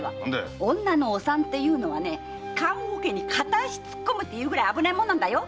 女のお産っていうのは棺桶に片足突っ込むっていうぐらい危ないもんなんだよ。